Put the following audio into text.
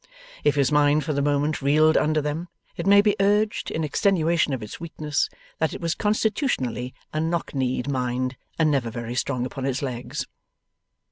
If his mind for the moment reeled under them, it may be urged, in extenuation of its weakness, that it was constitutionally a knock knee'd mind and never very strong upon its legs.